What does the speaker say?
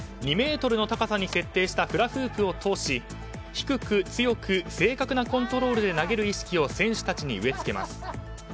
２ｍの高さに設定したフラフープを通し低く、強く正確なコントロールで投げる意識を選手たちに植えつけます。